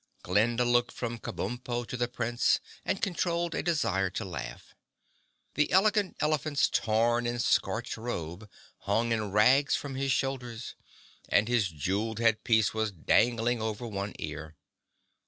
Glinda looked from Kabumpo to the Prince and controlled a desire to laugh. The Elegant Elephant's torn and scorched robe hung in rags from his shoulders and his jeweled headpiece was dangling over one ear.